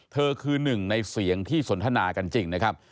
คือหนึ่งในเสียงที่สนทนากันจริงนะครับ